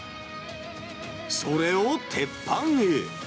それを鉄板へ。